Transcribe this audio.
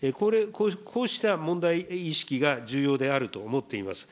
こうした問題意識が重要であると思っています。